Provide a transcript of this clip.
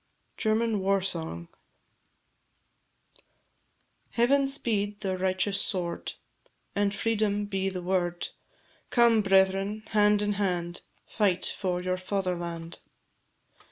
GERMAN WAR SONG. Heaven speed the righteous sword, And freedom be the word; Come, brethren, hand in hand, Fight for your fatherland.